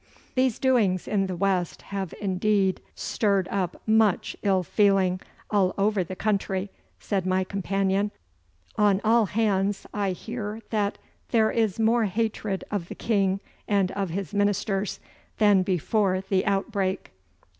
'These doings in the West have indeed stirred up much ill feeling all over the country,' said my companion. 'On all hands I hear that there is more hatred of the King and of his ministers than before the outbreak.